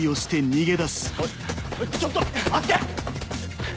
おいちょっと待って！